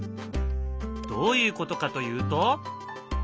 どういうことかというと。